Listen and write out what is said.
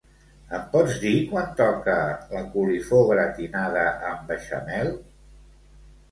Em pots dir quan toca la coliflor gratinada amb beixamel?